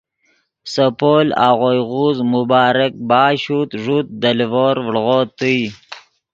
سے پول آغوئے غوز مبارک باشد ݱوت دے لیڤور ڤڑغو تئے